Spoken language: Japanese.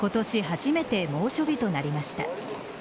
初めて、猛暑日となりました。